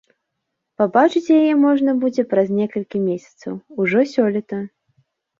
Пабачыць яе можна будзе праз некалькі месяцаў, ужо сёлета.